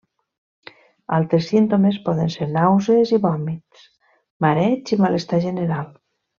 Altres símptomes poden ser nàusees i vòmits, mareig i malestar general.